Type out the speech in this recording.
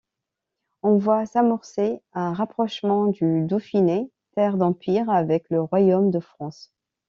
On voit s'amorcer un rapprochement du Dauphiné, terre d'Empire, avec le royaume de France.